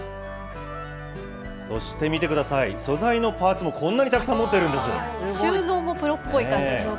そして見てください、素材のパーツもこんなにたくさん持っている収納もプロっぽい感じ。